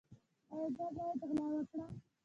ایا زه باید غلا وکړم؟